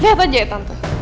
lihat aja ya tante